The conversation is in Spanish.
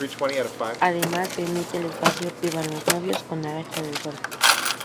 Además, se emitía el espacio "Vivas los novios", con Arancha del Sol.